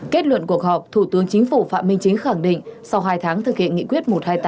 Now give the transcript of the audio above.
kết luận cuộc họp thủ tướng chính phủ phạm minh chính khẳng định sau hai tháng thực hiện nghị quyết một trăm hai mươi tám